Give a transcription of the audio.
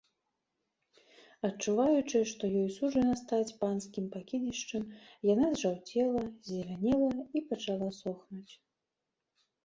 Адчуваючы, што ёй суджана стаць панскім пакідзішчам, яна зжаўцела, ззелянела і пачала сохнуць.